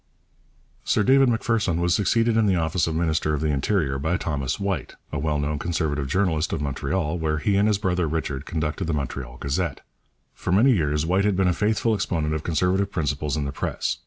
Sir David Macpherson was succeeded in the office of minister of the Interior by Thomas White, a well known Conservative journalist of Montreal, where he and his brother Richard conducted the Montreal Gazette. For many years White had been a faithful exponent of Conservative principles in the press.